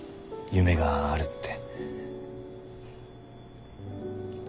夢があるって。